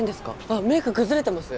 あっメイク崩れてます？